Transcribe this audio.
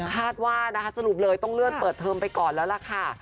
คาดว่านะคะสรุปเลยต้องเลื่อนเปิดเทอมไปก่อนแล้วล่ะค่ะ